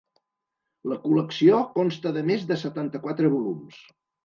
La col·lecció consta de més de setanta-quatre volums.